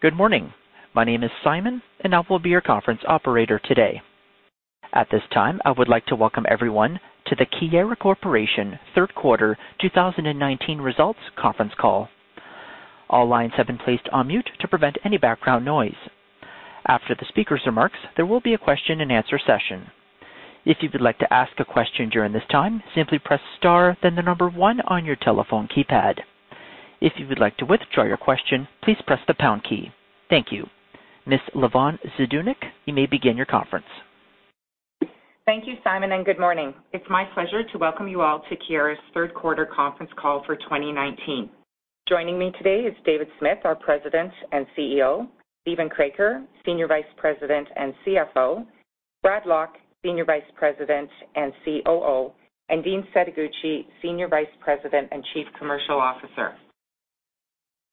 Good morning. My name is Simon, and I will be your conference operator today. At this time, I would like to welcome everyone to the Keyera Corporation third quarter 2019 results conference call. All lines have been placed on mute to prevent any background noise. After the speaker's remarks, there will be a question and answer session. If you would like to ask a question during this time, simply press star, then the number one on your telephone keypad. If you would like to withdraw your question, please press the pound key. Thank you. Ms. Lavonne Zdunich, you may begin your conference. Thank you, Simon, and good morning. It's my pleasure to welcome you all to Keyera's third quarter conference call for 2019. Joining me today is David Smith, our President and CEO, Steven Kroeker, Senior Vice President and CFO, Brad Lock, Senior Vice President and COO, and Dean Setoguchi, Senior Vice President and Chief Commercial Officer.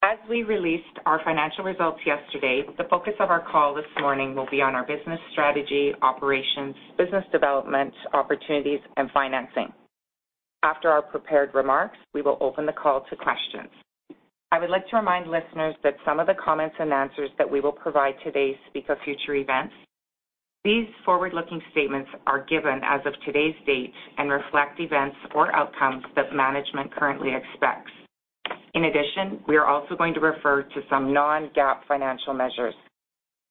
As we released our financial results yesterday, the focus of our call this morning will be on our business strategy, operations, business development opportunities, and financing. After our prepared remarks, we will open the call to questions. I would like to remind listeners that some of the comments and answers that we will provide today speak of future events. These forward-looking statements are given as of today's date and reflect events or outcomes that management currently expects. In addition, we are also going to refer to some non-GAAP financial measures.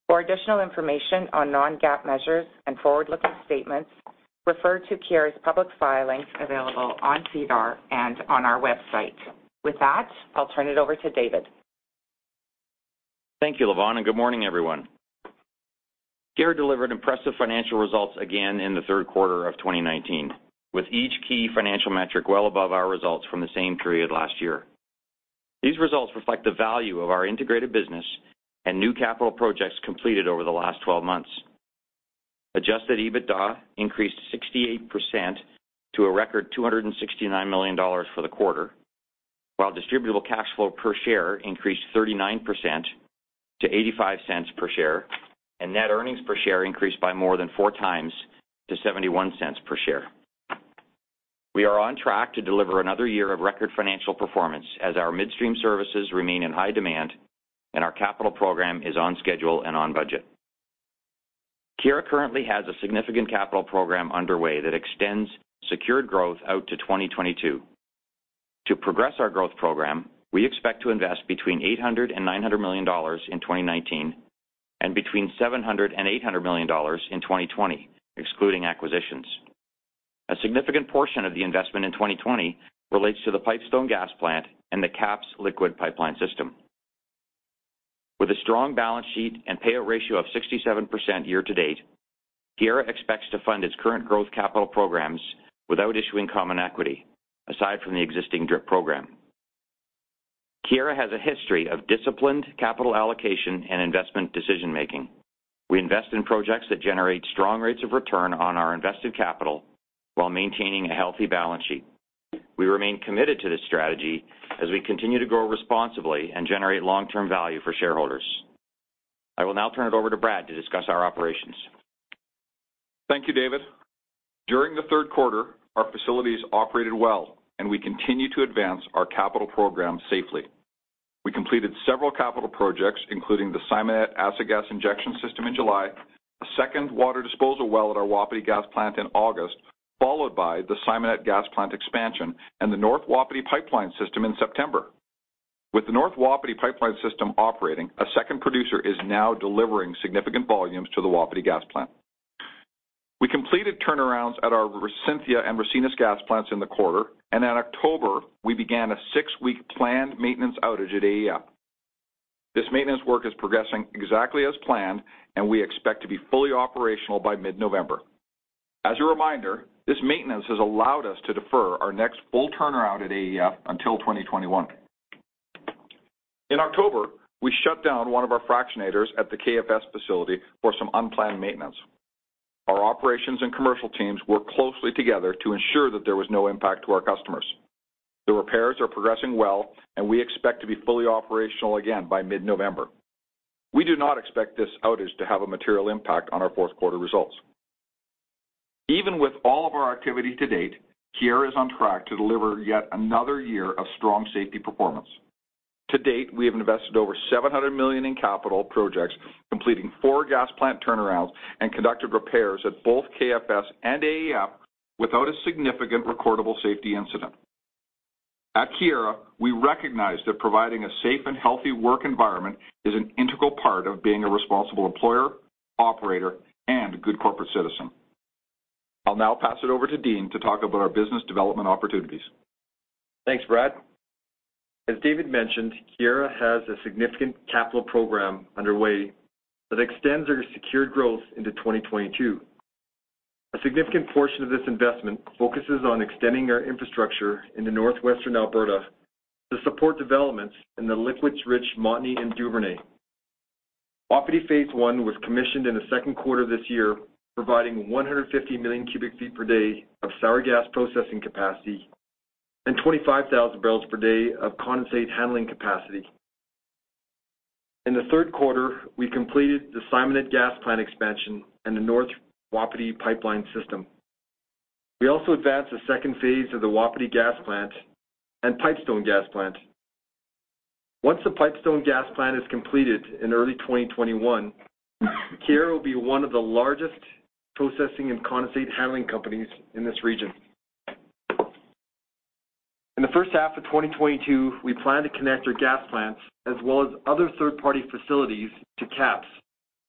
For additional information on non-GAAP measures and forward-looking statements, refer to Keyera's public filings available on SEDAR and on our website. With that, I'll turn it over to David. Thank you, Lavonne, and good morning, everyone. Keyera delivered impressive financial results again in the third quarter of 2019, with each key financial metric well above our results from the same period last year. These results reflect the value of our integrated business and new capital projects completed over the last 12 months. Adjusted EBITDA increased 68% to a record 269 million dollars for the quarter, while distributable cash flow per share increased 39% to 0.85 per share, and net earnings per share increased by more than four times to 0.71 per share. We are on track to deliver another year of record financial performance as our midstream services remain in high demand and our capital program is on schedule and on budget. Keyera currently has a significant capital program underway that extends secured growth out to 2022. To progress our growth program, we expect to invest between 800 million dollars and CAD 900 million in 2019 and between 700 million dollars and CAD 800 million in 2020, excluding acquisitions. A significant portion of the investment in 2020 relates to the Pipestone gas plant and the KAPS liquid pipeline system. With a strong balance sheet and payout ratio of 67% year-to-date, Keyera expects to fund its current growth capital programs without issuing common equity, aside from the existing DRIP program. Keyera has a history of disciplined capital allocation and investment decision-making. We invest in projects that generate strong rates of return on our invested capital while maintaining a healthy balance sheet. We remain committed to this strategy as we continue to grow responsibly and generate long-term value for shareholders. I will now turn it over to Brad to discuss our operations. Thank you, David. During the third quarter, our facilities operated well, and we continue to advance our capital program safely. We completed several capital projects, including the Simonette acid gas injection system in July, a second water disposal well at our Wapiti gas plant in August, followed by the Simonette gas plant expansion and the North Wapiti pipeline system in September. With the North Wapiti pipeline system operating, a second producer is now delivering significant volumes to the Wapiti gas plant. We completed turnarounds at our Cynthia and Ricinus gas plants in the quarter, and in October, we began a six-week planned maintenance outage at AEF. This maintenance work is progressing exactly as planned, and we expect to be fully operational by mid-November. As a reminder, this maintenance has allowed us to defer our next full turnaround at AEF until 2021. In October, we shut down one of our fractionators at the KFS facility for some unplanned maintenance. Our operations and commercial teams worked closely together to ensure that there was no impact to our customers. The repairs are progressing well, and we expect to be fully operational again by mid-November. We do not expect this outage to have a material impact on our fourth quarter results. Even with all of our activity to date, Keyera is on track to deliver yet another year of strong safety performance. To date, we have invested over 700 million in capital projects, completing four gas plant turnarounds and conducted repairs at both KFS and AEF without a significant recordable safety incident. At Keyera, we recognize that providing a safe and healthy work environment is an integral part of being a responsible employer, operator, and a good corporate citizen. I'll now pass it over to Dean to talk about our business development opportunities. Thanks, Brad. As David mentioned, Keyera has a significant capital program underway that extends our secured growth into 2022. A significant portion of this investment focuses on extending our infrastructure into Northwestern Alberta to support developments in the liquids-rich Montney and Duvernay. Wapiti phase one was commissioned in the second quarter of this year, providing 150 million cubic feet per day of sour gas processing capacity and 25,000 barrels per day of condensate handling capacity. In the third quarter, we completed the Simonette gas plant expansion and the North Wapiti pipeline system We also advanced the phase 2 of the Wapiti gas plant and Pipestone gas plant. Once the Pipestone gas plant is completed in early 2021, Keyera will be one of the largest processing and condensate handling companies in this region. In the first half of 2022, we plan to connect our gas plants as well as other third-party facilities to KAPS,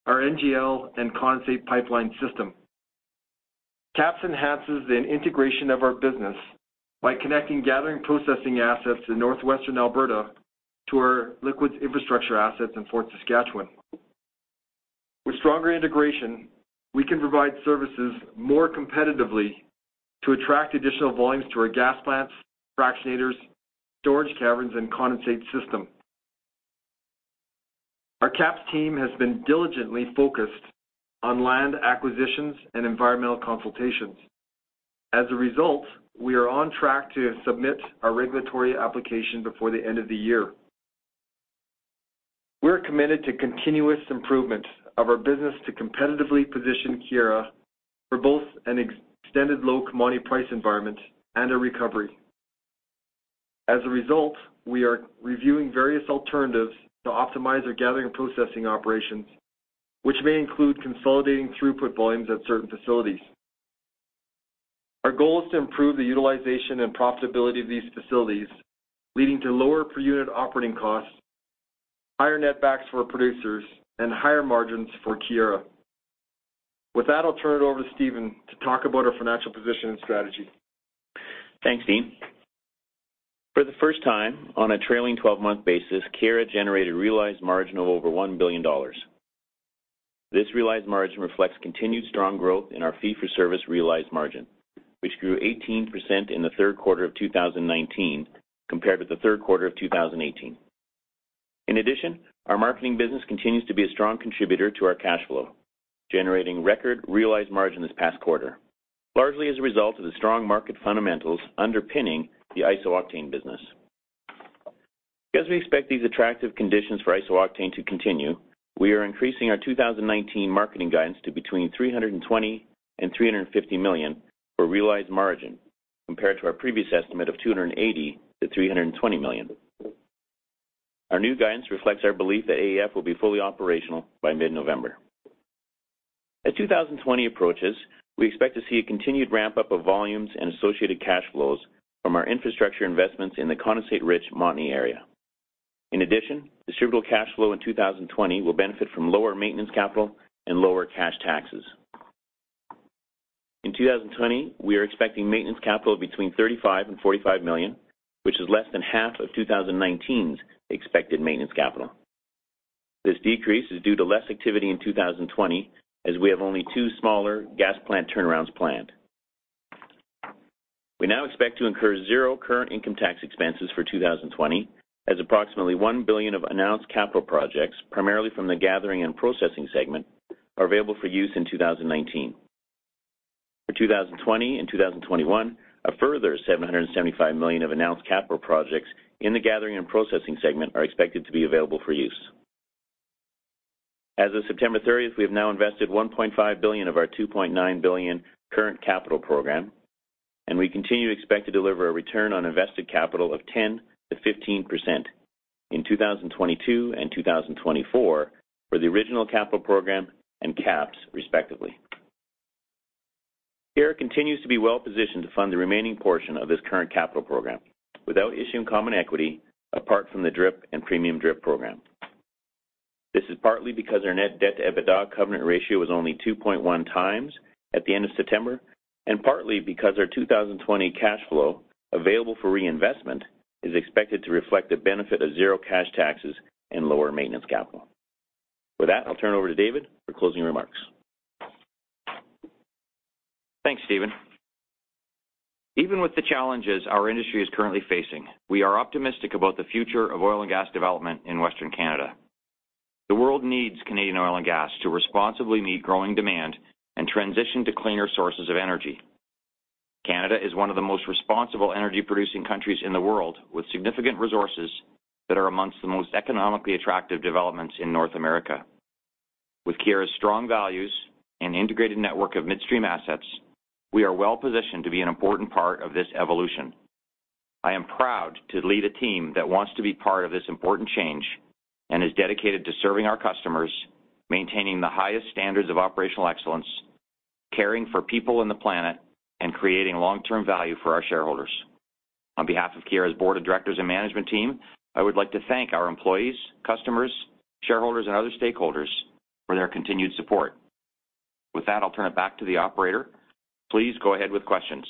our NGL and condensate pipeline system. KAPS enhances the integration of our business by connecting gathering processing assets in northwestern Alberta to our liquids infrastructure assets in Fort Saskatchewan. With stronger integration, we can provide services more competitively to attract additional volumes to our gas plants, fractionators, storage caverns, and condensate system. Our KAPS team has been diligently focused on land acquisitions and environmental consultations. As a result, we are on track to submit our regulatory application before the end of the year. We're committed to continuous improvement of our business to competitively position Keyera for both an extended low commodity price environment and a recovery. As a result, we are reviewing various alternatives to optimize our gathering processing operations, which may include consolidating throughput volumes at certain facilities. Our goal is to improve the utilization and profitability of these facilities, leading to lower per-unit operating costs, higher netbacks for our producers, and higher margins for Keyera. With that, I'll turn it over to Steven to talk about our financial position and strategy. Thanks, Dean. For the first time, on a trailing 12-month basis, Keyera generated realized margin of over 1 billion dollars. This realized margin reflects continued strong growth in our fee-for-service realized margin, which grew 18% in the third quarter of 2019 compared with the third quarter of 2018. In addition, our marketing business continues to be a strong contributor to our cash flow, generating record realized margin this past quarter, largely as a result of the strong market fundamentals underpinning the isooctane business. Because we expect these attractive conditions for isooctane to continue, we are increasing our 2019 marketing guidance to between 320 million and 350 million for realized margin, compared to our previous estimate of 280 million to 320 million. Our new guidance reflects our belief that AEF will be fully operational by mid-November. As 2020 approaches, we expect to see a continued ramp-up of volumes and associated cash flows from our infrastructure investments in the condensate-rich Montney area. In addition, distributable cash flow in 2020 will benefit from lower maintenance capital and lower cash taxes. In 2020, we are expecting maintenance capital of between 35 million and 45 million, which is less than half of 2019's expected maintenance capital. This decrease is due to less activity in 2020, as we have only two smaller gas plant turnarounds planned. We now expect to incur zero current income tax expenses for 2020, as approximately 1 billion of announced capital projects, primarily from the gathering and processing segment, are available for use in 2019. For 2020 and 2021, a further CAD 775 million of announced capital projects in the gathering and processing segment are expected to be available for use. As of September 30th, we have now invested 1.5 billion of our 2.9 billion current capital program. We continue to expect to deliver a return on invested capital of 10%-15% in 2022 and 2024 for the original capital program and KAPS, respectively. Keyera continues to be well-positioned to fund the remaining portion of this current capital program without issuing common equity, apart from the DRIP and Premium DRIP program. This is partly because our net debt-to-EBITDA covenant ratio was only 2.1 times at the end of September, partly because our 2020 cash flow available for reinvestment is expected to reflect the benefit of zero cash taxes and lower maintenance capital. With that, I'll turn over to David for closing remarks. Thanks, Steven. Even with the challenges our industry is currently facing, we are optimistic about the future of oil and gas development in Western Canada. The world needs Canadian oil and gas to responsibly meet growing demand and transition to cleaner sources of energy. Canada is one of the most responsible energy-producing countries in the world, with significant resources that are amongst the most economically attractive developments in North America. With Keyera's strong values and integrated network of midstream assets, we are well-positioned to be an important part of this evolution. I am proud to lead a team that wants to be part of this important change and is dedicated to serving our customers, maintaining the highest standards of operational excellence, caring for people and the planet, and creating long-term value for our shareholders. On behalf of Keyera's board of directors and management team, I would like to thank our employees, customers, shareholders, and other stakeholders for their continued support. With that, I'll turn it back to the operator. Please go ahead with questions.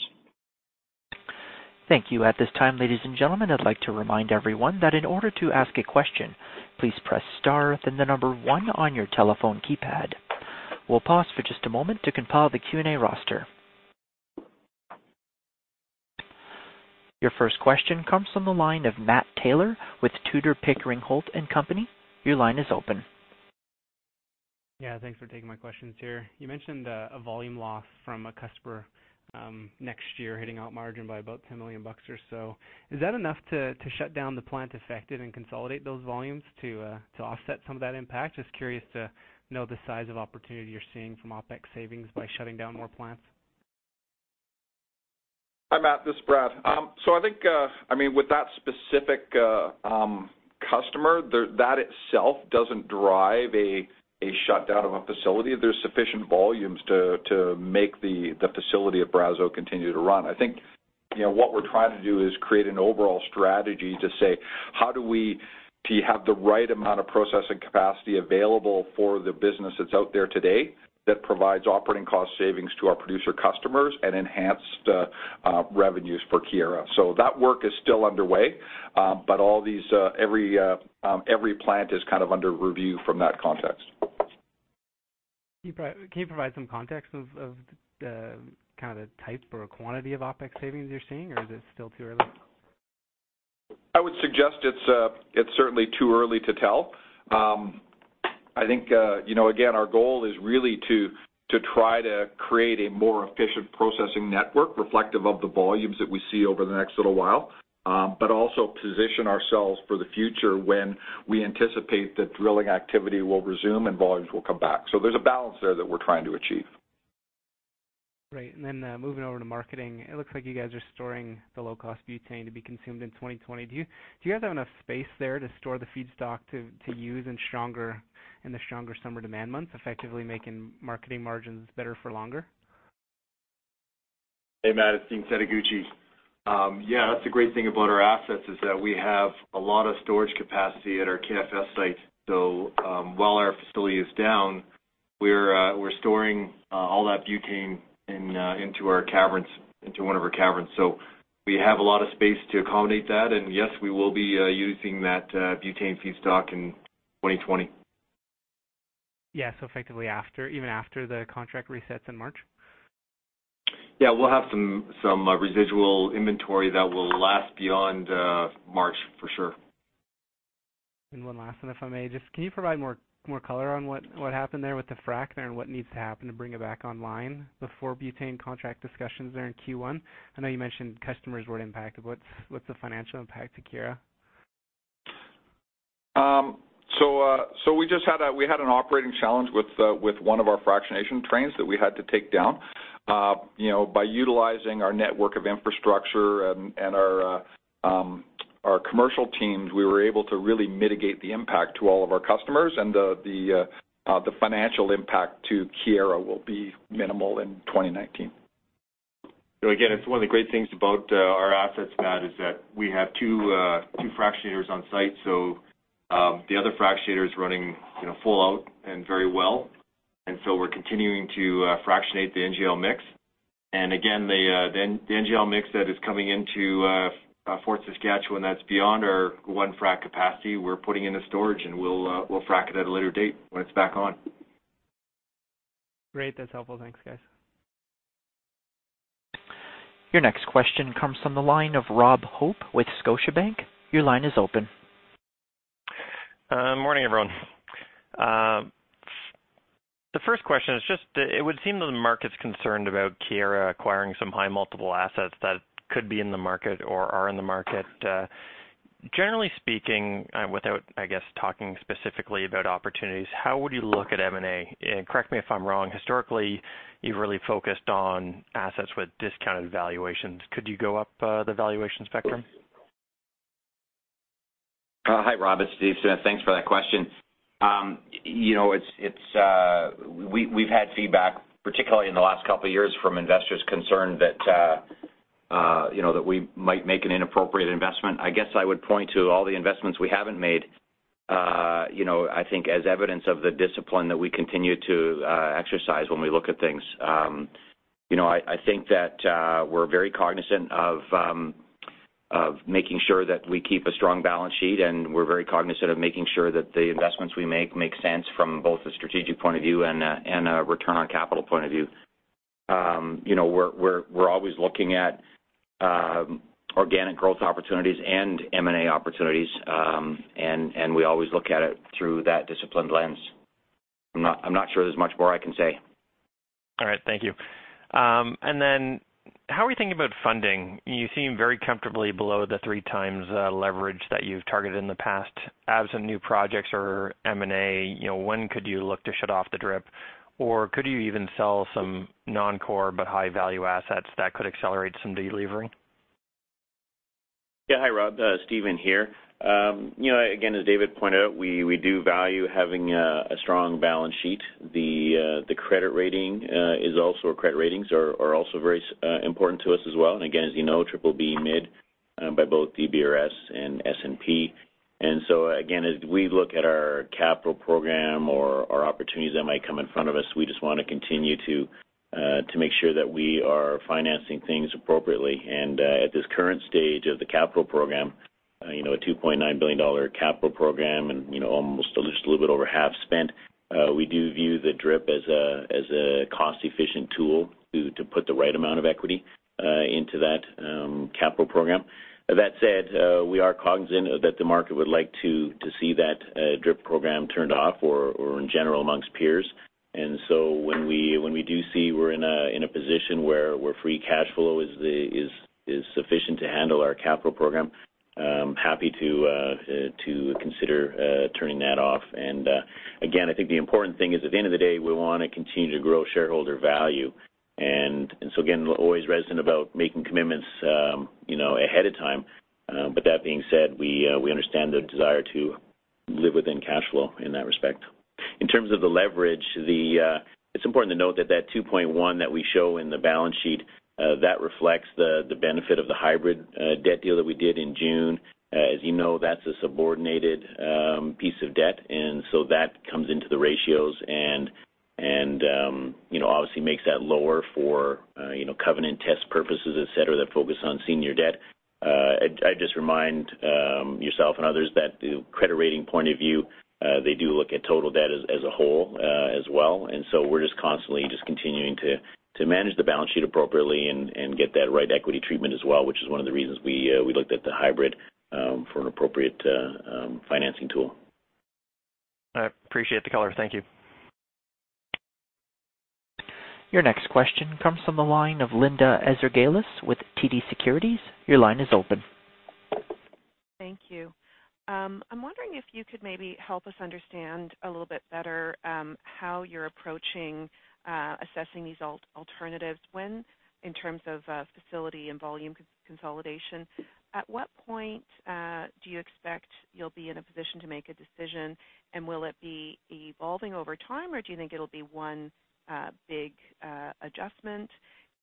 Thank you. At this time, ladies and gentlemen, I'd like to remind everyone that in order to ask a question, please press star then the number one on your telephone keypad. We'll pause for just a moment to compile the Q&A roster. Your first question comes from the line of Matt Taylor with Tudor, Pickering, Holt & Co. Your line is open. Yeah, thanks for taking my questions here. You mentioned a volume loss from a customer next year hitting our margin by about 10 million bucks or so. Is that enough to shut down the plant affected and consolidate those volumes to offset some of that impact? Just curious to know the size of opportunity you're seeing from OpEx savings by shutting down more plants. Hi, Matt, this is Brad. I think with that specific customer, that itself doesn't drive a shutdown of a facility. There's sufficient volumes to make the facility at Brazeau continue to run. I think what we're trying to do is create an overall strategy to say, how do we have the right amount of processing capacity available for the business that's out there today that provides operating cost savings to our producer customers and enhanced revenues for Keyera? That work is still underway, but every plant is under review from that context. Can you provide some context of the type or quantity of OpEx savings you're seeing or is it still too early? I would suggest it's certainly too early to tell. I think, again, our goal is really to try to create a more efficient processing network reflective of the volumes that we see over the next little while. Also position ourselves for the future when we anticipate that drilling activity will resume and volumes will come back. There's a balance there that we're trying to achieve. Great. Moving over to marketing, it looks like you guys are storing the low-cost butane to be consumed in 2020. Do you guys have enough space there to store the feedstock to use in the stronger summer demand months, effectively making marketing margins better for longer? Hey, Matt, it's Dean Setoguchi. Yeah, that's a great thing about our assets is that we have a lot of storage capacity at our KFS site. While our facility is down, we're storing all that butane into one of our caverns. We have a lot of space to accommodate that, and yes, we will be using that butane feedstock in 2020. Yeah. effectively even after the contract resets in March? We'll have some residual inventory that will last beyond March for sure. One last one, if I may just. Can you provide more color on what happened there with the frac there and what needs to happen to bring it back online before butane contract discussions there in Q1? I know you mentioned customers were impacted. What's the financial impact to Keyera? We had an operating challenge with one of our fractionation trains that we had to take down. By utilizing our network of infrastructure and our commercial teams, we were able to really mitigate the impact to all of our customers and the financial impact to Keyera will be minimal in 2019. Again, it's one of the great things about our assets, Matt, is that we have two fractionators on site. The other fractionator is running full out and very well. We're continuing to fractionate the NGL mix. Again, the NGL mix that is coming into Fort Saskatchewan, that's beyond our one frac capacity. We're putting into storage, and we'll frac it at a later date when it's back on. Great. That's helpful. Thanks, guys. Your next question comes from the line of Rob Hope with Scotiabank. Your line is open. Morning, everyone. The first question is just, it would seem the market's concerned about Keyera acquiring some high multiple assets that could be in the market or are in the market. Generally speaking, without, I guess, talking specifically about opportunities, how would you look at M&A? Correct me if I'm wrong, historically, you've really focused on assets with discounted valuations. Could you go up the valuation spectrum? Hi, Rob, it's Steve Smith. Thanks for that question. We've had feedback, particularly in the last couple of years, from investors concerned that we might make an inappropriate investment. I guess I would point to all the investments we haven't made I think as evidence of the discipline that we continue to exercise when we look at things. I think that we're very cognizant of making sure that we keep a strong balance sheet, and we're very cognizant of making sure that the investments we make sense from both a strategic point of view and a return on capital point of view. We're always looking at organic growth opportunities and M&A opportunities, and we always look at it through that disciplined lens. I'm not sure there's much more I can say. All right. Thank you. How are you thinking about funding? You seem very comfortably below the three times leverage that you've targeted in the past. Absent new projects or M&A, when could you look to shut off the DRIP? Could you even sell some non-core but high-value assets that could accelerate some de-levering? Hi, Rob. Steven here. As David pointed out, we do value having a strong balance sheet. The credit ratings are also very important to us as well. As you know, BBB mid by both DBRS and S&P. As we look at our capital program or opportunities that might come in front of us, we just want to continue to make sure that we are financing things appropriately. At this current stage of the capital program, a 2.9 billion dollar capital program, and almost a little bit over half spent, we do view the DRIP as a cost-efficient tool to put the right amount of equity into that capital program. That said, we are cognizant that the market would like to see that DRIP program turned off or in general amongst peers. When we do see we're in a position where free cash flow is sufficient to handle our capital program, I'm happy to consider turning that off. I think the important thing is, at the end of the day, we want to continue to grow shareholder value. We're always reticent about making commitments ahead of time. That being said, we understand the desire to live within cash flow in that respect. In terms of the leverage, it's important to note that that 2.1 that we show in the balance sheet, that reflects the benefit of the hybrid debt deal that we did in June. As you know, that's a subordinated piece of debt, that comes into the ratios and obviously makes that lower for covenant test purposes, et cetera, that focus on senior debt. I'd just remind yourself and others that the credit rating point of view, they do look at total debt as a whole, as well. We're just constantly continuing to manage the balance sheet appropriately and get that right equity treatment as well, which is one of the reasons we looked at the hybrid for an appropriate financing tool. I appreciate the color. Thank you. Your next question comes from the line of Linda Ezergailis with TD Securities. Your line is open. Thank you. I'm wondering if you could maybe help us understand a little bit better how you're approaching assessing these alternatives when, in terms of facility and volume consolidation, at what point do you expect you'll be in a position to make a decision? Will it be evolving over time, or do you think it'll be one big adjustment?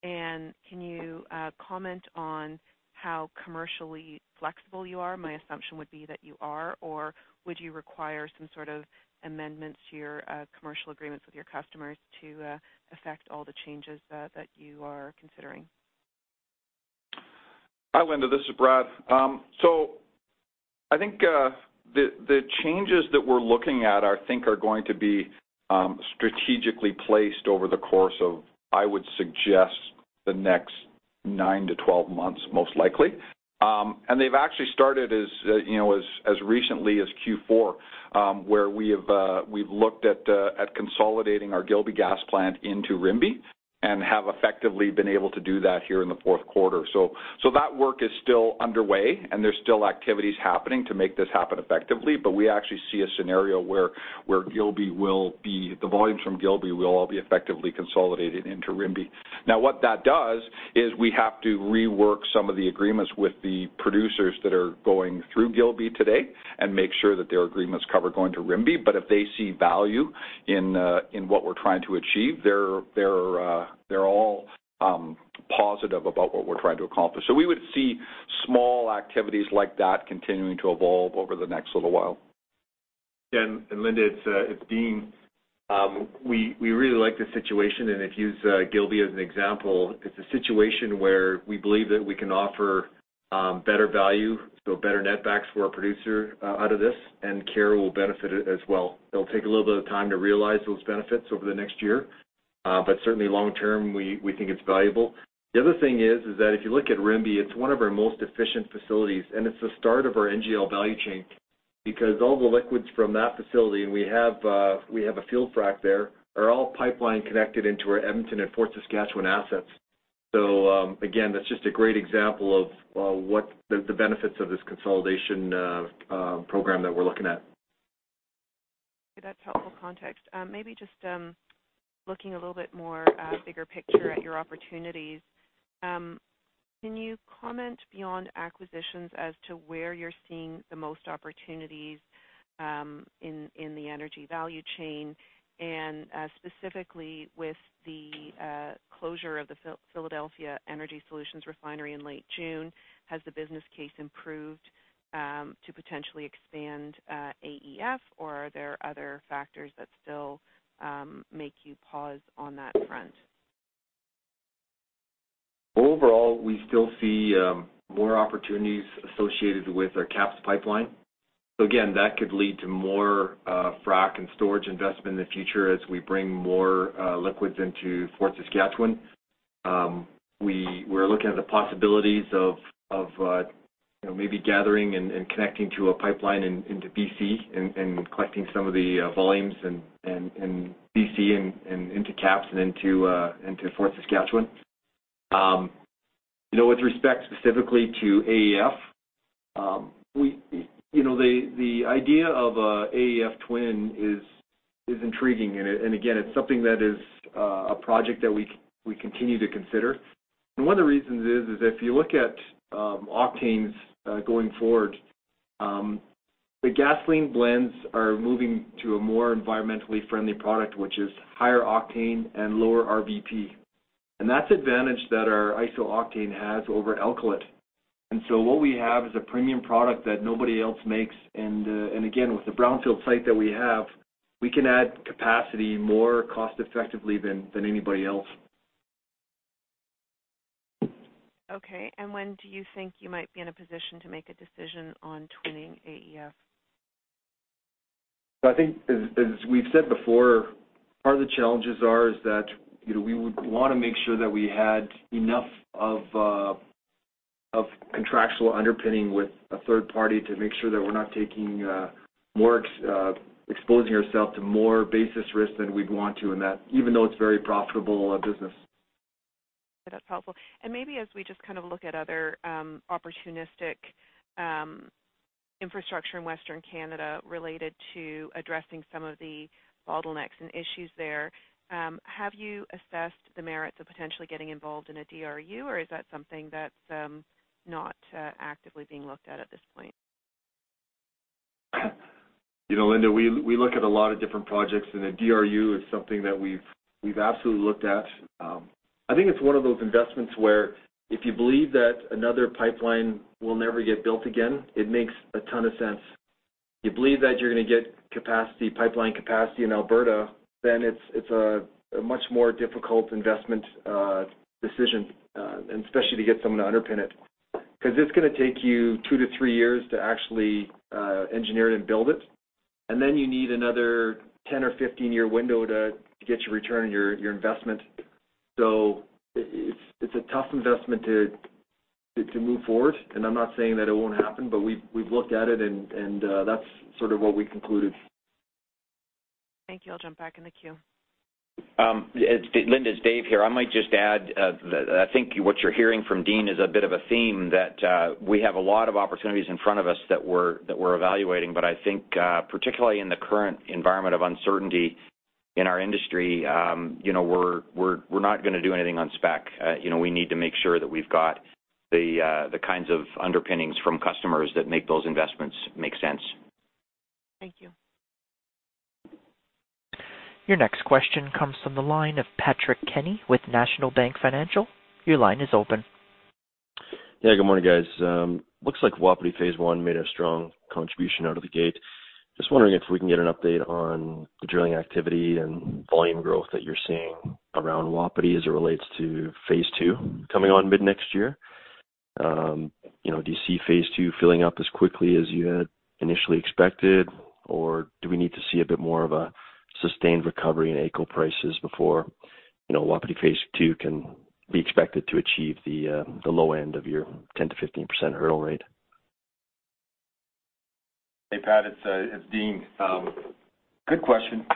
Can you comment on how commercially flexible you are? My assumption would be that you are, or would you require some sort of amendments to your commercial agreements with your customers to affect all the changes that you are considering? Hi, Linda. This is Brad. I think the changes that we're looking at, I think, are going to be strategically placed over the course of, I would suggest, the next nine to 12 months, most likely. They've actually started as recently as Q4, where we've looked at consolidating our Gilby gas plant into Rimbey and have effectively been able to do that here in the fourth quarter. That work is still underway, and there's still activities happening to make this happen effectively. We actually see a scenario where the volumes from Gilby will all be effectively consolidated into Rimbey. Now, what that does is we have to rework some of the agreements with the producers that are going through Gilby today and make sure that their agreements cover going to Rimbey. If they see value in what we're trying to achieve, they're all positive about what we're trying to accomplish. We would see small activities like that continuing to evolve over the next little while. Linda, it's Dean. We really like this situation, and if you use Gilby as an example, it's a situation where we believe that we can offer better value, so better net backs for our producer out of this, and Keyera will benefit as well. It'll take a little bit of time to realize those benefits over the next year. Certainly long-term, we think it's valuable. The other thing is that if you look at Rimbey, it's one of our most efficient facilities, and it's the start of our NGL value chain because all the liquids from that facility, and we have a field frack there, are all pipeline connected into our Edmonton and Fort Saskatchewan assets. Again, that's just a great example of what the benefits of this consolidation program that we're looking at. That's helpful context. Maybe just looking a little bit more bigger picture at your opportunities. Can you comment beyond acquisitions as to where you're seeing the most opportunities in the energy value chain? Specifically with the closure of the Philadelphia Energy Solutions refinery in late June, has the business case improved to potentially expand AEF, or are there other factors that still make you pause on that front? Overall, we still see more opportunities associated with our KAPS Pipeline. Again, that could lead to more frack and storage investment in the future as we bring more liquids into Fort Saskatchewan. We're looking at the possibilities of maybe gathering and connecting to a pipeline into B.C. and collecting some of the volumes in B.C. and into KAPS and into Fort Saskatchewan. With respect specifically to AEF, the idea of AEF twin is intriguing. Again, it's something that is a project that we continue to consider. One of the reasons is if you look at octanes going forward, the gasoline blends are moving to a more environmentally friendly product, which is higher octane and lower RVP. That's advantage that our isooctane has over alkylate. What we have is a premium product that nobody else makes. Again, with the brownfield site that we have, we can add capacity more cost-effectively than anybody else. Okay. When do you think you might be in a position to make a decision on twinning AEF? I think as we've said before, part of the challenges are is that we would want to make sure that we had enough of contractual underpinning with a third party to make sure that we're not exposing ourself to more basis risk than we'd want to in that, even though it's very profitable business. That's helpful. Maybe as we just look at other opportunistic, infrastructure in Western Canada related to addressing some of the bottlenecks and issues there, have you assessed the merits of potentially getting involved in a DRU or is that something that's not actively being looked at at this point? Linda, we look at a lot of different projects, and a DRU is something that we've absolutely looked at. I think it's one of those investments where if you believe that another pipeline will never get built again, it makes a ton of sense. You believe that you're going to get pipeline capacity in Alberta, then it's a much more difficult investment decision, and especially to get someone to underpin it. Because it's going to take you two to three years to actually engineer it and build it, and then you need another 10 or 15-year window to get your return on your investment. It's a tough investment to move forward, and I'm not saying that it won't happen, but we've looked at it and that's sort of what we concluded. Thank you. I'll jump back in the queue. Linda, it's Dave here. I might just add, I think what you're hearing from Dean is a bit of a theme that we have a lot of opportunities in front of us that we're evaluating, but I think, particularly in the current environment of uncertainty in our industry, we're not going to do anything on spec. We need to make sure that we've got the kinds of underpinnings from customers that make those investments make sense. Thank you. Your next question comes from the line of Patrick Kenny with National Bank Financial. Your line is open. Yeah, good morning, guys. Looks like Wapiti Phase 1 made a strong contribution out of the gate. Just wondering if we can get an update on the drilling activity and volume growth that you're seeing around Wapiti as it relates to Phase 2 coming on mid-next year. Do you see Phase 2 filling up as quickly as you had initially expected? Do we need to see a bit more of a sustained recovery in AECO prices before Wapiti Phase 2 can be expected to achieve the low end of your 10%-15% hurdle rate? Hey, Pat, it's Dean. Good question.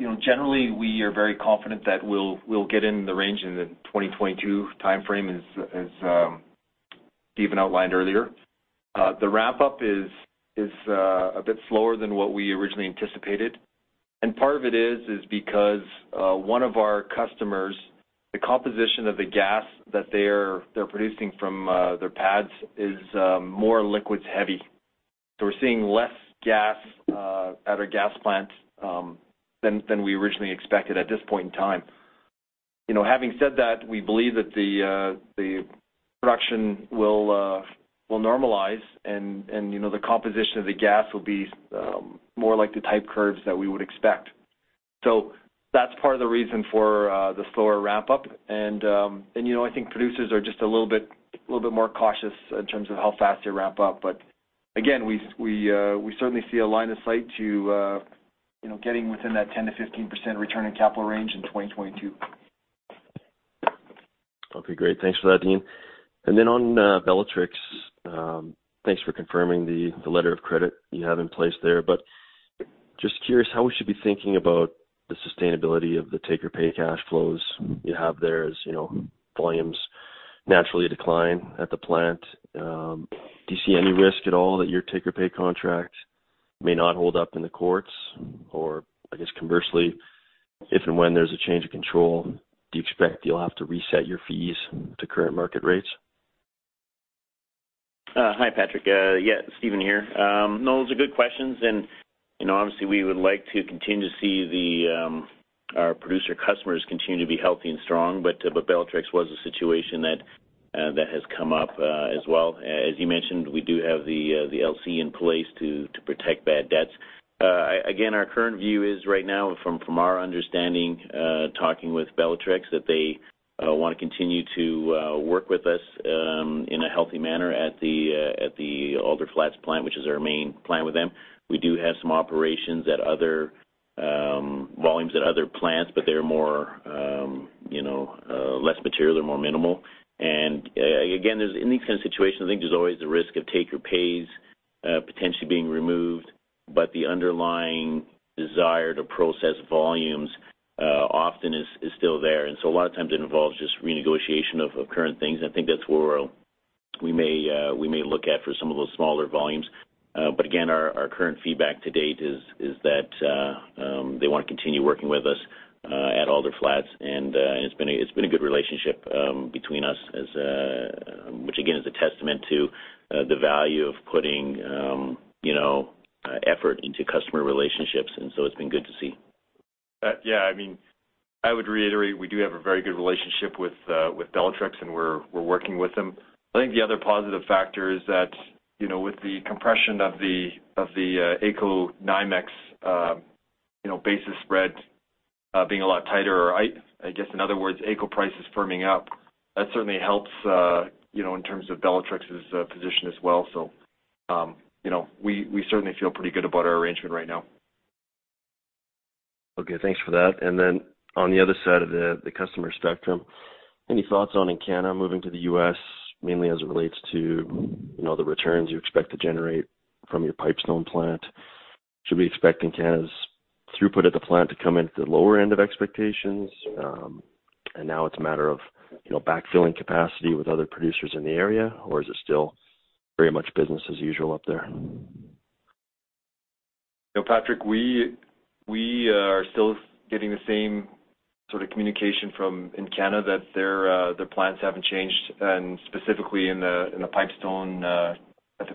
Generally, we are very confident that we'll get in the range in the 2022 timeframe, as Steven outlined earlier. The ramp-up is a bit slower than what we originally anticipated, and part of it is because one of our customers, the composition of the gas that they're producing from their pads is more liquids heavy. We're seeing less gas at our gas plant than we originally expected at this point in time. Having said that, we believe that the production will normalize and the composition of the gas will be more like the type curves that we would expect. That's part of the reason for the slower ramp-up, and I think producers are just a little bit more cautious in terms of how fast they ramp up. Again, we certainly see a line of sight to getting within that 10%-15% return on capital range in 2022. Okay, great. Thanks for that, Dean. On Bellatrix, thanks for confirming the letter of credit you have in place there, just curious how we should be thinking about the sustainability of the take-or-pay cash flows you have there as volumes naturally decline at the plant. Do you see any risk at all that your take-or-pay contract may not hold up in the courts? I guess conversely, if and when there's a change of control, do you expect you'll have to reset your fees to current market rates? Hi, Patrick. Yeah, Steven here. Those are good questions, and obviously, we would like to continue to see our producer customers continue to be healthy and strong, but Bellatrix was a situation that has come up as well. As you mentioned, we do have the LC in place to protect bad debts. Our current view is right now, from our understanding, talking with Bellatrix, that they want to continue to work with us in a healthy manner at the Alder Flats plant, which is our main plant with them. We do have some operations at other volumes at other plants, but they're less material, they're more minimal. In these kind of situations, I think there's always the risk of take-or-pays potentially being removed, but the underlying desire to process volumes often is still there. A lot of times it involves just renegotiation of current things. I think that's where we may look at for some of those smaller volumes. Again, our current feedback to date is that they want to continue working with us at Alder Flats, and it's been a good relationship between us, which again, is a testament to the value of putting effort into customer relationships, and so it's been good to see. Yeah. I would reiterate, we do have a very good relationship with Bellatrix, and we're working with them. I think the other positive factor is that with the compression of the AECO NYMEX basis spread being a lot tighter, I guess in other words, AECO price is firming up. That certainly helps in terms of Bellatrix's position as well. We certainly feel pretty good about our arrangement right now. Okay, thanks for that. On the other side of the customer spectrum, any thoughts on Encana moving to the U.S., mainly as it relates to the returns you expect to generate from your Pipestone plant? Should we expect Encana's throughput at the plant to come in at the lower end of expectations? It's a matter of backfilling capacity with other producers in the area, or is it still very much business as usual up there? Patrick, we are still getting the same sort of communication from Encana that their plans haven't changed, and specifically at the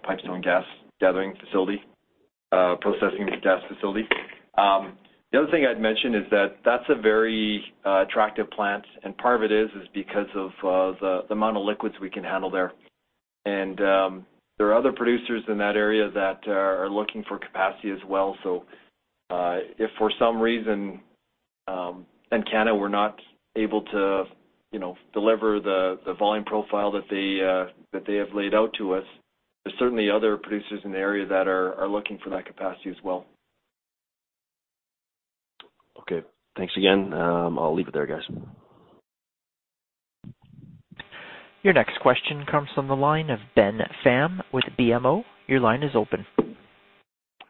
Pipestone gas gathering facility, processing gas facility. The other thing I'd mention is that that's a very attractive plant, and part of it is because of the amount of liquids we can handle there. There are other producers in that area that are looking for capacity as well. If for some reason, Encana were not able to deliver the volume profile that they have laid out to us, there's certainly other producers in the area that are looking for that capacity as well. Okay. Thanks again. I'll leave it there, guys. Your next question comes from the line of Ben Pham with BMO. Your line is open.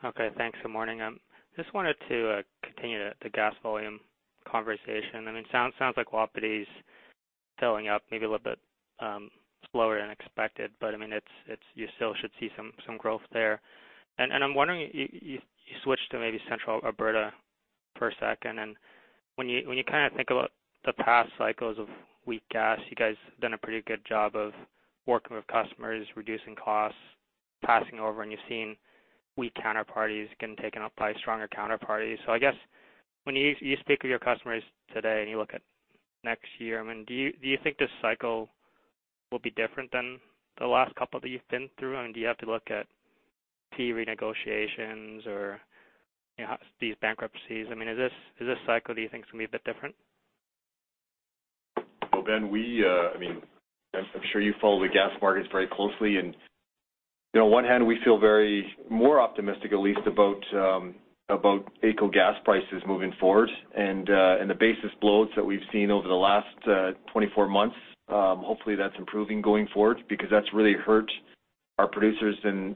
Okay. Thanks. Good morning. Just wanted to continue the gas volume conversation. It sounds like Wapiti's filling up maybe a little bit slower than expected, but you still should see some growth there. I'm wondering, you switch to maybe central Alberta for a second, and when you think about the past cycles of weak gas, you guys have done a pretty good job of working with customers, reducing costs, passing over, and you've seen weak counterparties getting taken up by stronger counterparties. I guess when you speak with your customers today and you look at next year, do you think this cycle will be different than the last couple that you've been through? Do you have to look at key renegotiations or these bankruptcies? Is this cycle, do you think, is going to be a bit different? Ben, I'm sure you follow the gas markets very closely and on one hand, we feel very more optimistic, at least, about AECO gas prices moving forward, and the basis spreads that we've seen over the last 24 months. Hopefully, that's improving going forward because that's really hurt our producers in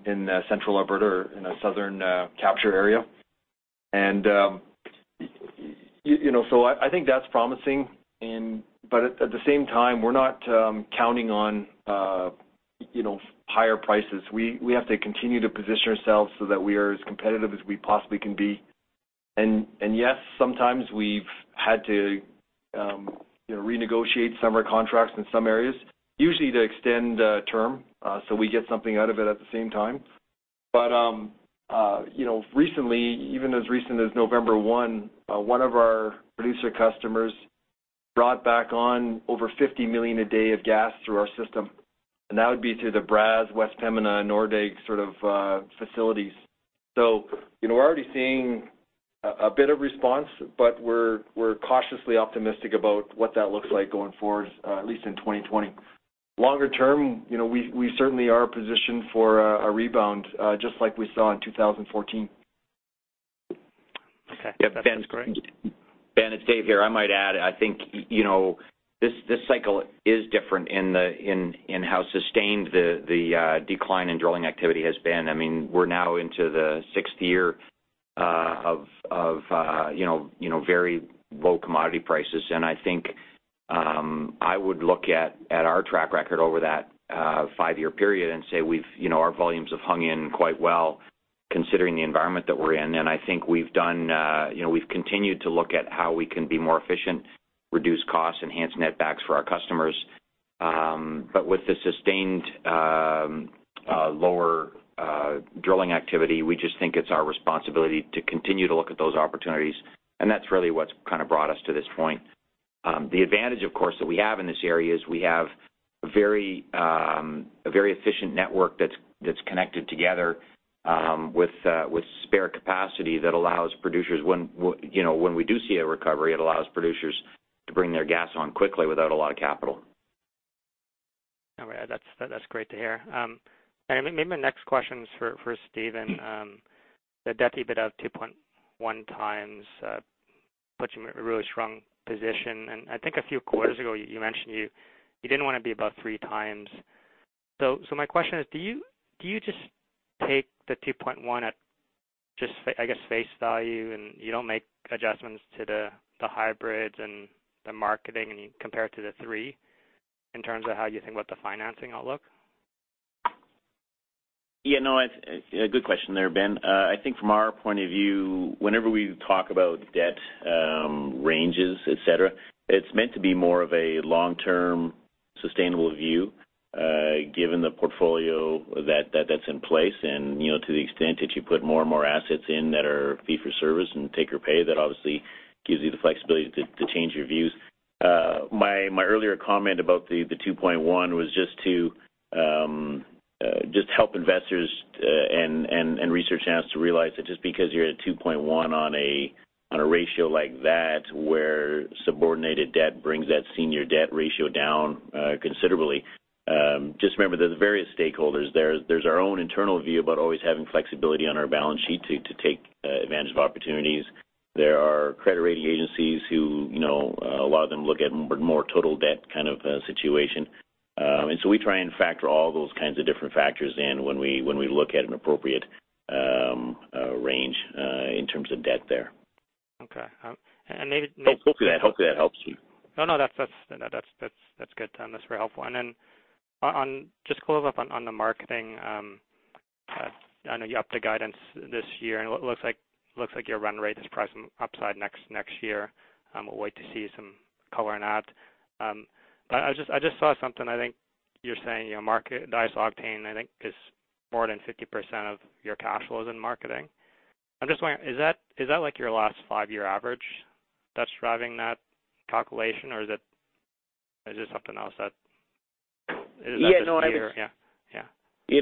central Alberta or in the southern capture area. I think that's promising, but at the same time, we're not counting on higher prices. We have to continue to position ourselves so that we are as competitive as we possibly can be. Yes, sometimes we've had to renegotiate some of our contracts in some areas, usually to extend term, so we get something out of it at the same time. Recently, even as recent as November 1, one of our producer customers brought back on over 50 million a day of gas through our system. That would be through the Brazeau, West Pembina, Nordegg sort of facilities. We're already seeing a bit of response, but we're cautiously optimistic about what that looks like going forward, at least in 2020. Longer term, we certainly are positioned for a rebound, just like we saw in 2014. Okay. That's great. Ben, it's Dave here. I might add, I think, this cycle is different in how sustained the decline in drilling activity has been. We're now into the sixth year of very low commodity prices. I think, I would look at our track record over that five-year period and say our volumes have hung in quite well considering the environment that we're in. I think we've continued to look at how we can be more efficient, reduce costs, enhance net backs for our customers. With the sustained lower drilling activity, we just think it's our responsibility to continue to look at those opportunities, and that's really what's brought us to this point. The advantage, of course, that we have in this area is we have a very efficient network that's connected together, with spare capacity that allows producers, when we do see a recovery, it allows producers to bring their gas on quickly without a lot of capital. All right. That's great to hear. Maybe my next question is for Steven. The debt EBITDA of 2.1x puts you in a really strong position. I think a few quarters ago, you mentioned you didn't want to be above 3x. My question is, do you just take the 2.1 at just, I guess, face value, and you don't make adjustments to the hybrids and the marketing, and you compare it to the 3 in terms of how you think about the financing outlook? Yeah, no, a good question there, Ben. I think from our point of view, whenever we talk about debt ranges, et cetera, it's meant to be more of a long-term, sustainable view, given the portfolio that's in place and to the extent that you put more and more assets in that are fee-for-service and take-or-pay, that obviously gives you the flexibility to change your views. My earlier comment about the 2.1 was just to help investors and research analysts to realize that just because you're at 2.1 on a ratio like that, where subordinated debt brings that senior debt ratio down considerably. Just remember, there's various stakeholders. There's our own internal view about always having flexibility on our balance sheet to take advantage of opportunities there. Our credit rating agencies who a lot of them look at more total debt kind of situation. We try and factor all those kinds of different factors in when we look at an appropriate range in terms of debt there. Okay. Hope that helps you. No, that's good. That's very helpful. Just to close up on the marketing. I know you upped the guidance this year and looks like your run rate is pricing upside next year. We'll wait to see some color on that. I just saw something, I think you're saying your market isooctane, I think is more than 50% of your cash flows in marketing. I'm just wondering, is that like your last five-year average that's driving that calculation or is it something else that Is that this year? Yeah.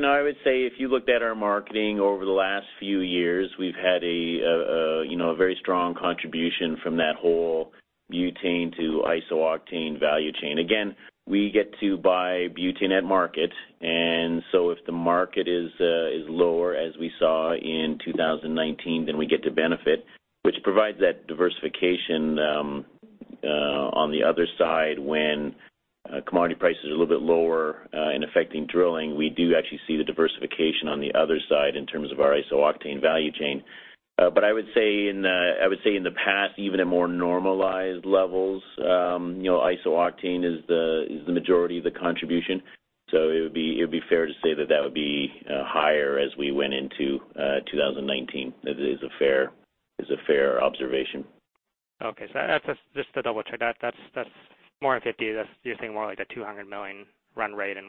I would say if you looked at our marketing over the last few years, we've had a very strong contribution from that whole butane to isooctane value chain. Again, we get to buy butane at market, if the market is lower, as we saw in 2019, we get to benefit, which provides that diversification on the other side when commodity prices are a little bit lower, and affecting drilling, we do actually see the diversification on the other side in terms of our isooctane value chain. I would say in the past, even at more normalized levels, isooctane is the majority of the contribution. It would be fair to say that that would be higher as we went into 2019. That is a fair observation. Okay. Just to double-check. That's more than 50. You're saying more like the 200 million run rate. If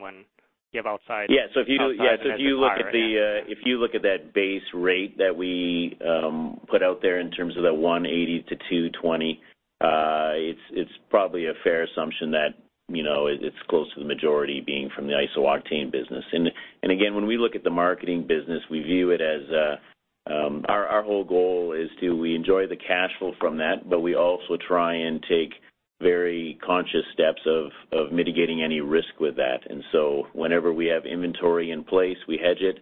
you look at the base rate that we put out there in terms of that 180-220, it's probably a fair assumption that it's close to the majority being from the isooctane business. When we look at the marketing business, our whole goal is to enjoy the cash flow from that, but we also try and take very conscious steps of mitigating any risk with that. Whenever we have inventory in place, we hedge it.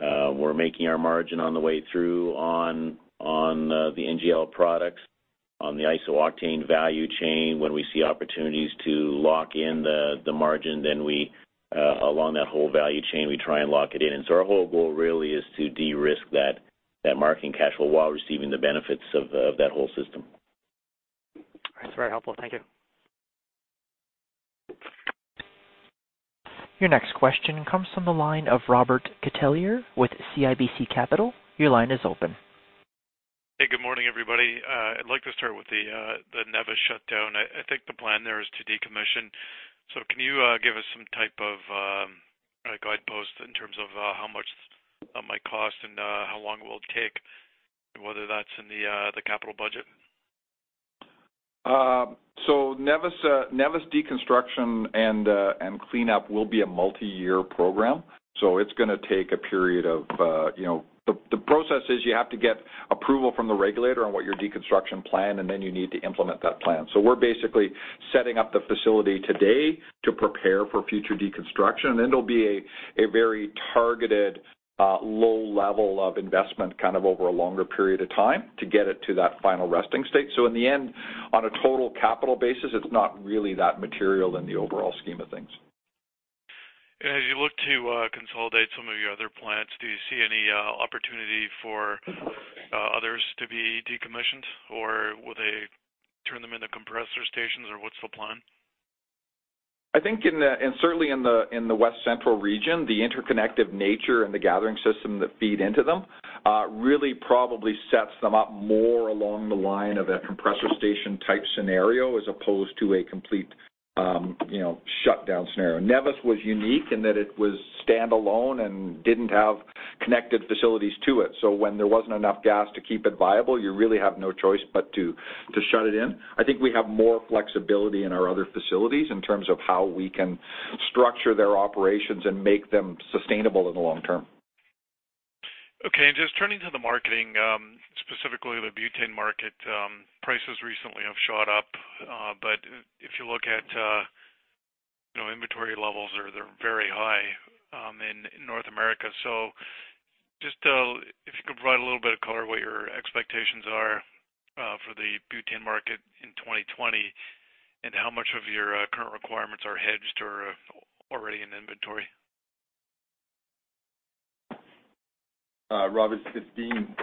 We're making our margin on the way through on the NGL products, on the isooctane value chain. When we see opportunities to lock in the margin, then along that whole value chain, we try and lock it in. Our whole goal really is to de-risk that marketing cash flow while receiving the benefits of that whole system. That's very helpful. Thank you. Your next question comes from the line of Robert Catellier with CIBC Capital. Your line is open. Hey, good morning, everybody. I'd like to start with the Nevis shutdown. I think the plan there is to decommission. Can you give us some type of a guidepost in terms of how much that might cost and how long it will take, and whether that's in the capital budget? Nevis deconstruction and cleanup will be a multi-year program. The process is you have to get approval from the regulator on what your deconstruction plan, and then you need to implement that plan. We're basically setting up the facility today to prepare for future deconstruction, and it'll be a very targeted, low level of investment, kind of over a longer period of time to get it to that final resting state. In the end, on a total capital basis, it's not really that material in the overall scheme of things. As you look to consolidate some of your other plants, do you see any opportunity for others to be decommissioned, or will they turn them into compressor stations or what's the plan? I think, and certainly in the West Central region, the interconnective nature and the gathering system that feed into them, really probably sets them up more along the line of a compressor station type scenario as opposed to a complete shutdown scenario. Nevis was unique in that it was standalone and didn't have connected facilities to it, so when there wasn't enough gas to keep it viable, you really have no choice but to shut it in. I think we have more flexibility in our other facilities in terms of how we can structure their operations and make them sustainable in the long term. Just turning to the marketing, specifically the butane market. Prices recently have shot up. If you look at inventory levels, they're very high in North America. Just if you could provide a little bit of color what your expectations are for the butane market in 2020, and how much of your current requirements are hedged or already in inventory. Robert, it's Dean.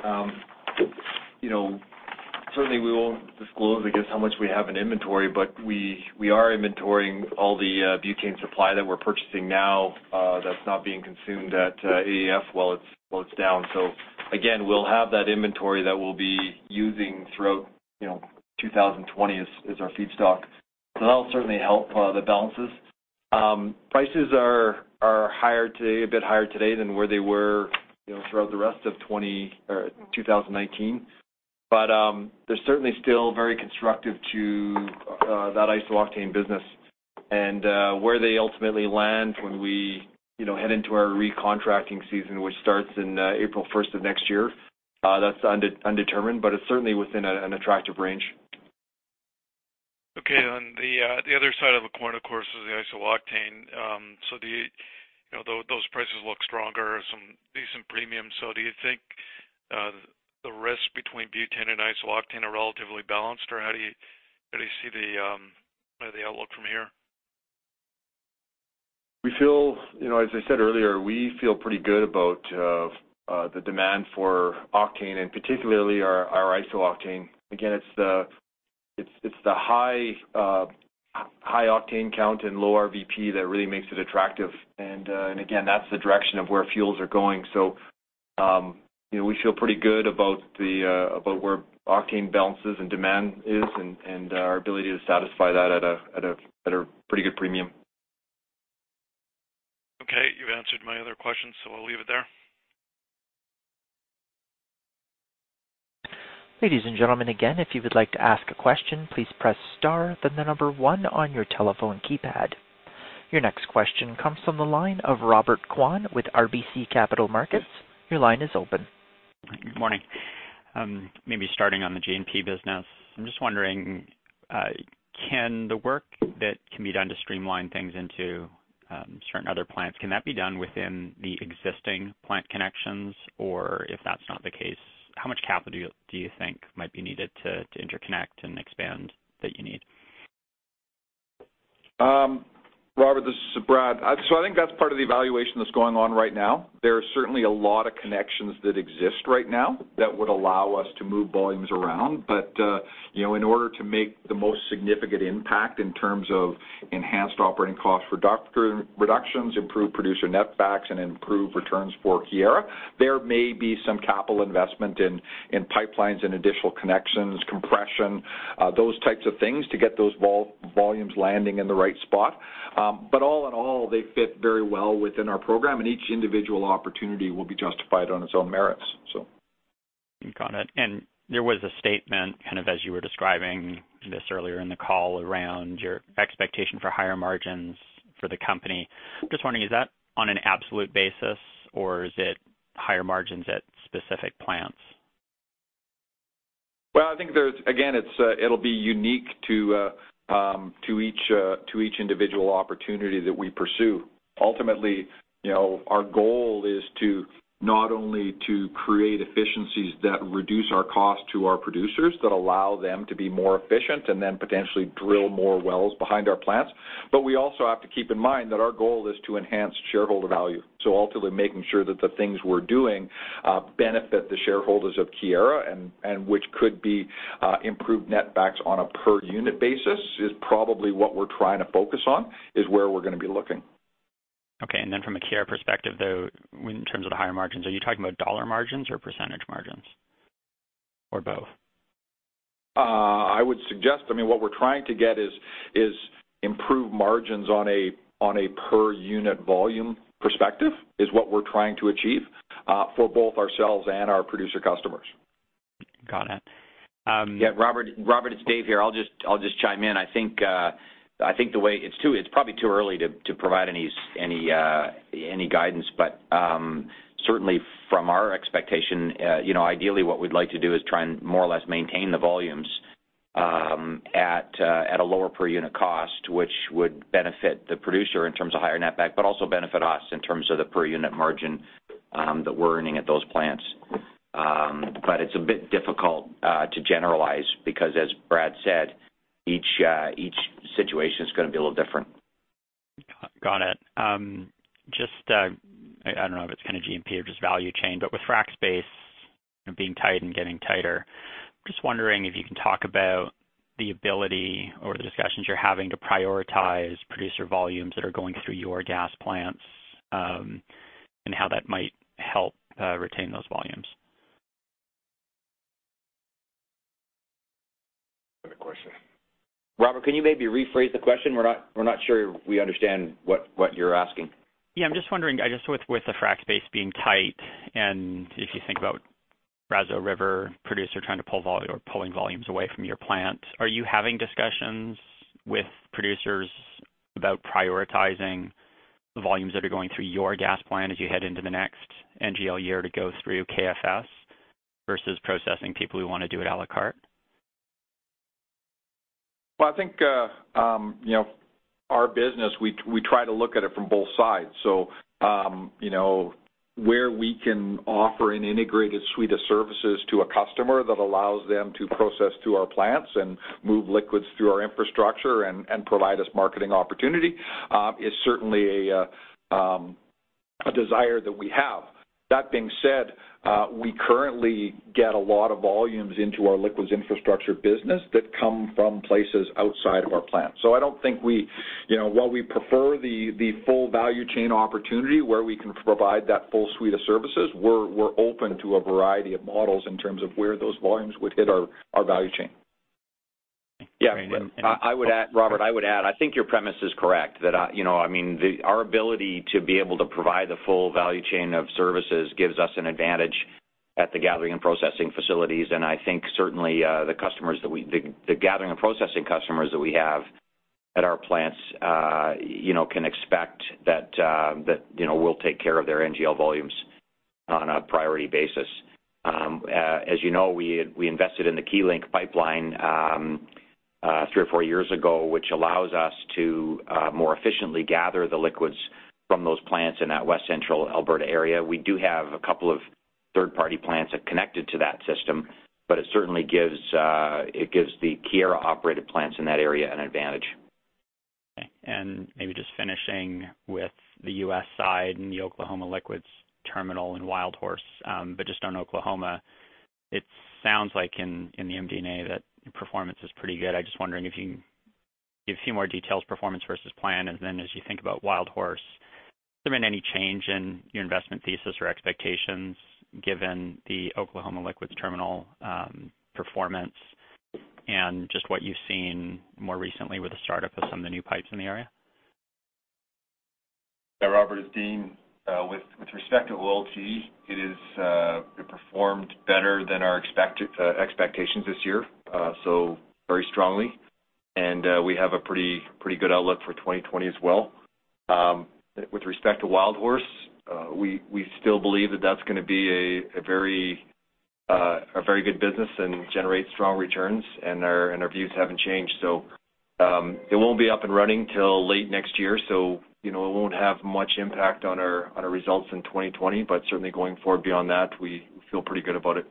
Certainly, we won't disclose, I guess, how much we have in inventory, but we are inventorying all the butane supply that we're purchasing now that's not being consumed at AEF while it's down. Again, we'll have that inventory that we'll be using throughout 2020 as our feedstock. That'll certainly help the balances. Prices are a bit higher today than where they were throughout the rest of 2019. They're certainly still very constructive to that isooctane business and where they ultimately land when we head into our recontracting season, which starts in April 1st of next year. That's undetermined, but it's certainly within an attractive range. Okay. The other side of the coin, of course, is the isooctane. Those prices look stronger, some decent premium. Do you think the risk between butane and isooctane are relatively balanced, or how do you see the outlook from here? As I said earlier, we feel pretty good about the demand for octane, and particularly our isooctane. Again, it's the high octane count and low RVP that really makes it attractive. Again, that's the direction of where fuels are going. We feel pretty good about where octane balances and demand is and our ability to satisfy that at a pretty good premium. Okay. You've answered my other questions, I'll leave it there. Ladies and gentlemen, again, if you would like to ask a question, please press star, then the number 1 on your telephone keypad. Your next question comes from the line of Robert Kwan with RBC Capital Markets. Your line is open. Good morning. Maybe starting on the G&P business. I'm just wondering, can the work that can be done to streamline things into certain other plants, can that be done within the existing plant connections? Or if that's not the case, how much capital do you think might be needed to interconnect and expand that you need? Robert, this is Brad. I think that's part of the evaluation that's going on right now. There are certainly a lot of connections that exist right now that would allow us to move volumes around. In order to make the most significant impact in terms of enhanced operating cost reductions, improved producer net backs and improved returns for Keyera, there may be some capital investment in pipelines and additional connections, compression, those types of things to get those volumes landing in the right spot. All in all, they fit very well within our program, and each individual opportunity will be justified on its own merits. Got it. There was a statement, kind of as you were describing this earlier in the call, around your expectation for higher margins for the company. Just wondering, is that on an absolute basis or is it higher margins at specific plants? Well, I think, again, it'll be unique to each individual opportunity that we pursue. Ultimately, our goal is to not only to create efficiencies that reduce our cost to our producers, that allow them to be more efficient, and then potentially drill more wells behind our plants. We also have to keep in mind that our goal is to enhance shareholder value. Ultimately, making sure that the things we're doing benefit the shareholders of Keyera, and which could be improved net backs on a per unit basis is probably what we're trying to focus on, is where we're going to be looking. Okay. From a Keyera perspective, though, in terms of the higher margins, are you talking about dollar margins or percentage margins or both? I would suggest, what we're trying to get is improve margins on a per unit volume perspective, is what we're trying to achieve, for both ourselves and our producer customers. Got it. Yeah, Robert, it's Dave here. I'll just chime in. I think it's probably too early to provide any guidance. Certainly from our expectation, ideally what we'd like to do is try and more or less maintain the volumes at a lower per unit cost, which would benefit the producer in terms of higher net back, but also benefit us in terms of the per unit margin that we're earning at those plants. It's a bit difficult to generalize because, as Brad said, each situation is going to be a little different. Got it. Just, I don't know if it's kind of G&P or just value chain, but with frac space being tight and getting tighter, I'm just wondering if you can talk about the ability or the discussions you're having to prioritize producer volumes that are going through your gas plants, and how that might help retain those volumes. Good question. Robert, can you maybe rephrase the question? We're not sure we understand what you're asking. Yeah, I'm just wondering, with the frac space being tight and if you think about Brazeau River producer pulling volumes away from your plant, are you having discussions with producers about prioritizing the volumes that are going through your gas plant as you head into the next NGL year to go through KFS versus processing people who want to do it a la carte? Well, I think our business, we try to look at it from both sides. Where we can offer an integrated suite of services to a customer that allows them to process to our plants and move liquids through our infrastructure and provide us marketing opportunity, is certainly a desire that we have. That being said, we currently get a lot of volumes into our liquids infrastructure business that come from places outside of our plant. I don't think while we prefer the full value chain opportunity where we can provide that full suite of services, we're open to a variety of models in terms of where those volumes would hit our value chain. Yeah. Robert, I would add, I think your premise is correct, that our ability to be able to provide the full value chain of services gives us an advantage at the gathering and processing facilities, and I think certainly the gathering and processing customers that we have at our plants can expect that we'll take care of their NGL volumes. On a priority basis. As you know, we invested in the Keylink pipeline three or four years ago, which allows us to more efficiently gather the liquids from those plants in that west central Alberta area. We do have a couple of third-party plants that connected to that system, but it certainly gives the Keyera-operated plants in that area an advantage. Okay, maybe just finishing with the U.S. side and the Oklahoma Liquids Terminal and Wildhorse. Just on Oklahoma, it sounds like in the MD&A that performance is pretty good. I'm just wondering if you can give a few more details, performance versus plan, and then as you think about Wildhorse, has there been any change in your investment thesis or expectations given the Oklahoma Liquids Terminal performance and just what you've seen more recently with the startup of some of the new pipes in the area? Robert, it's Dean. With respect to OLT, it performed better than our expectations this year, very strongly. We have a pretty good outlook for 2020 as well. With respect to Wildhorse, we still believe that that's going to be a very good business and generate strong returns, and our views haven't changed. It won't be up and running till late next year, so it won't have much impact on our results in 2020. Certainly, going forward beyond that, we feel pretty good about it.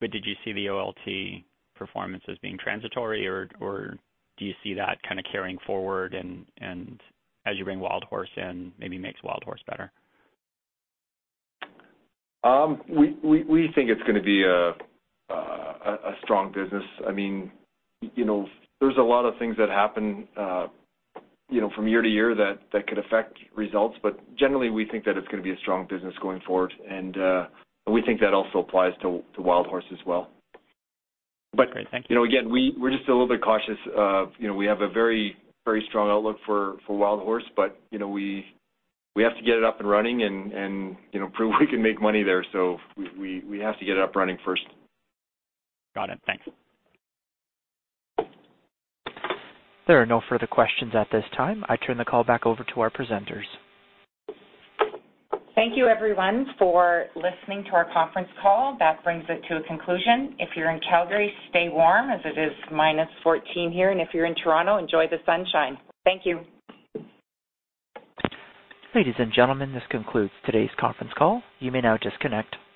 Did you see the OLT performance as being transitory, or do you see that carrying forward and as you bring Wildhorse in, maybe makes Wildhorse better? We think it's going to be a strong business. There's a lot of things that happen from year to year that could affect results. Generally, we think that it's going to be a strong business going forward, and we think that also applies to Wildhorse as well. Great. Thank you. We're just a little bit cautious. We have a very strong outlook for Wildhorse, we have to get it up and running and prove we can make money there, we have to get it up and running first. Got it. Thanks. There are no further questions at this time. I turn the call back over to our presenters. Thank you everyone for listening to our conference call. That brings it to a conclusion. If you're in Calgary, stay warm as it is -14 here, and if you're in Toronto, enjoy the sunshine. Thank you. Ladies and gentlemen, this concludes today's conference call. You may now disconnect.